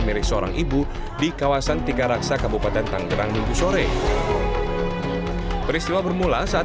mirip seorang ibu di kawasan tiga raksa kabupaten tanggerang minggu sore peristiwa bermula saat